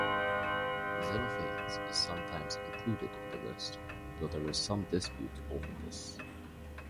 Xenophanes is sometimes included in the list, though there is some dispute over this.